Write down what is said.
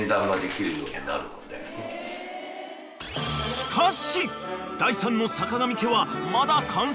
［しかし］